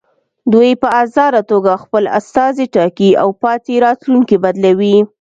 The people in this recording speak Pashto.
دوی په ازاده توګه خپل استازي ټاکي او پاتې راتلونکي بدلوي.